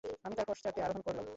আমি তার পশ্চাতে আরোহণ করলাম।